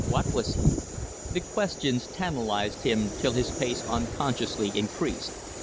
What was he? The questions tantalized him till his pace unconsciously increased.